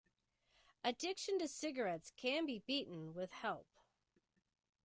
Addiction to cigarettes can be beaten with help.